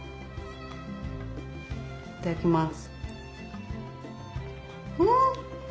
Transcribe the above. いただきます！